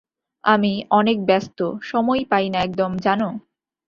আমি অনেক ব্যস্ত, সময়ই পাই না একদম, জানো?